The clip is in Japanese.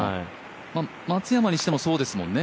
松山にしてもそうですもんね。